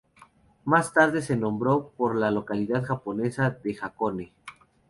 Más tarde se nombró por la localidad japonesa de Hakone.